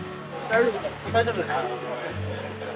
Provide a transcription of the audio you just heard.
大丈夫です。